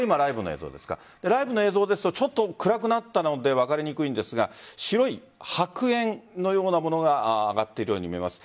ライブの映像ですとちょっと暗くなったので分かりにくいんですが白い白煙のようなものが上がっているように見えます。